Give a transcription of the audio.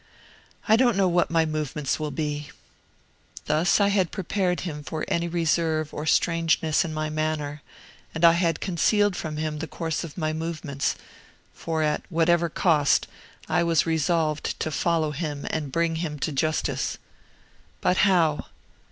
"I don't know what my movements will be." Thus I had prepared him for any reserve or strangeness in my manner; and I had concealed from him the course of my movements; for at whatever cost, I was resolved to follow him and bring him to justice. But how?